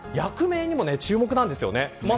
この役名にも注目なんですよね。